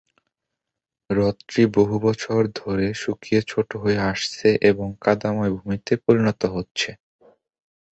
হ্রদটি বহু বছর ধরে শুকিয়ে ছোট হয়ে আসছে এবং কাদাময় ভূমিতে পরিণত হচ্ছে।